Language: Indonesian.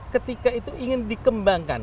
ketika itu ingin dikembangkan